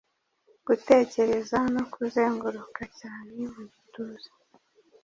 Gutekereza no kuzenguruka cyane mu gituza